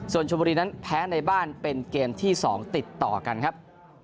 ส่วนชมบุรีนั้นแพ้ในบ้านเป็นเกมที่๒ติดต่อกันครับ